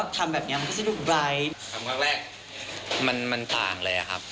ทำครั้งแรกมันมันต่างเลยอ่ะครับ